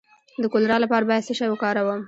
د کولرا لپاره باید څه شی وکاروم؟